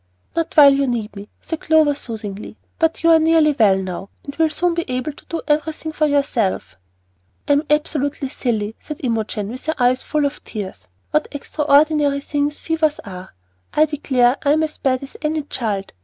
"Not while you need me," said Clover, soothingly. "But you are nearly well now, and will soon be able to do everything for yourself." "I am absolutely silly," said Imogen, with her eyes full of tears. "What extraordinary things fevers are! I declare, I am as bad as any child.